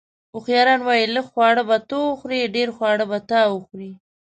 اوښیاران وایي: لږ خواړه به ته وخورې، ډېر خواړه به تا وخوري.